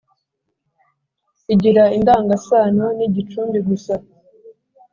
igira indangasano n’igicumbi gusa